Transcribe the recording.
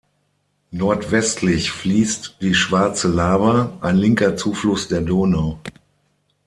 Nordwestlich fließt die Schwarze Laber, ein linker Zufluss der Donau.